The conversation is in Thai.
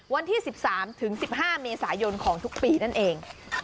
วันที่๑๓๑๕เมษายนของทุกปีนั่นเอง